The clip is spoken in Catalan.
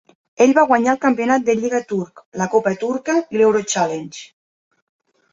Ell va guanyar el campionat de lliga Turc, la copa Turca i l'EuroChallenge.